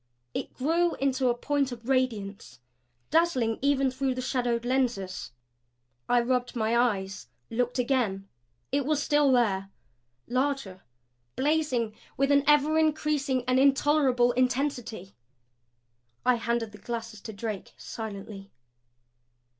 It grew into a point of radiance, dazzling even through the shadowed lenses. I rubbed my eyes; looked again. It was still there, larger blazing with an ever increasing and intolerable intensity. I handed the glasses to Drake, silently.